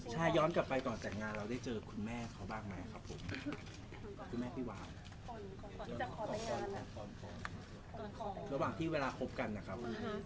ใช่ย้อนกลับไปต่อแต่งงานเราได้เจอคุณแม่เขาบ้างไหมครับผมคุณแม่พี่ว้าวระหว่างที่เวลาคบกันนะครับ